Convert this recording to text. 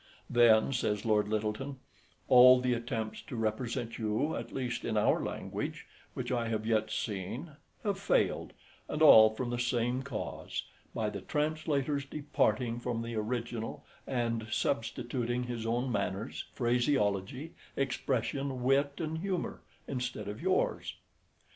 Then, says Lord Lyttelton, "All the attempts to represent you, at least in our language, which I have yet seen, have failed, and all from the same cause, by the translator's departing from the original, and substituting his own manners, phraseology, expression, wit, and humour instead of yours.